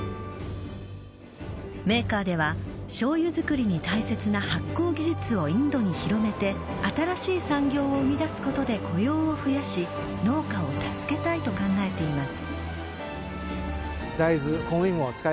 メーカーではしょうゆ作りに大切な発酵技術をインドに広めて新しい産業を生み出すことで雇用を増やし農家を助けたいと考えています。